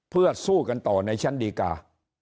เพื่อสู้กันต่อในชั้นดีกา